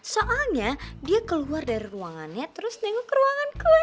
soalnya dia keluar dari ruangannya terus nengok ruangan gue